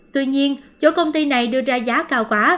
tuy nhiên chủ công ty này đưa ra giá cao quá